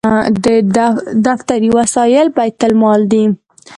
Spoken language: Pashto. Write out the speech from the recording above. دفتري وسایل بیت المال دي